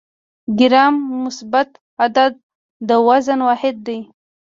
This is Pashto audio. ګرام مثبت عدد د وزن واحد دی.